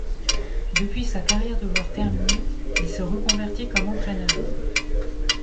Depuis sa carrière de joueur terminée, il s'est reconverti comme entraîneur.